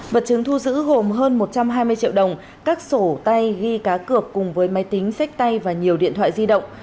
vật chứng thu giữ gồm hơn một trăm hai mươi triệu đồng các sổ tay ghi cá cược cùng với máy tính sách tay và nhiều điện thoại di động